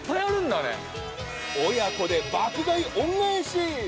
親子で爆買い恩返し！